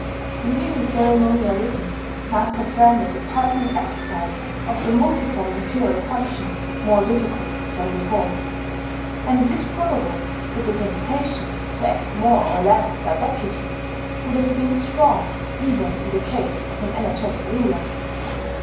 The new ceremonialism must have rendered the personal exercise of the multiform imperial functions more difficult than before; and it is probable that the temptation to act more or less by deputy would have been strong even in the case of an energetic ruler.